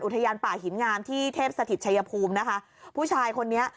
ทยานป่าหินงามที่เทพสถิตชัยภูมินะคะผู้ชายคนนี้